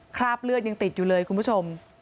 คราบเลือดยังติดอยู่เลยคุณผู้ชม